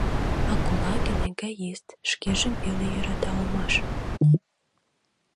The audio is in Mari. А Кулагин — эгоист, шкежым веле йӧрата улмаш.